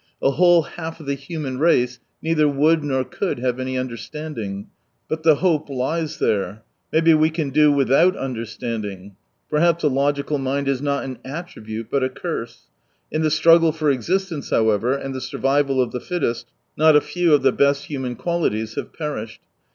A whole half of the human race neither would nor could have any understanding ! But the hope lies there. Maybe we can do without understanding. Perhaps a logical mind is not an attribute, but a curse. In the struggle for existence, however, and the survival of the fittest, not a few of the best human qualities have perished.